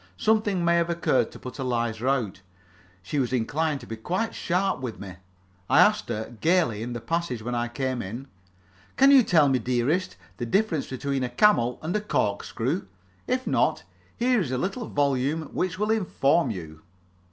Something may have occurred to put Eliza out; she was inclined to be quite sharp with me. I asked her, gaily, in the passage when I came in, "Can you tell me, dearest, the difference between a camel and a corkscrew? If not, here is a little volume which will inform you."